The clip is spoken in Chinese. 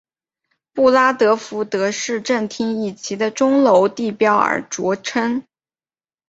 布拉德福德市政厅以其的钟楼地标而着称。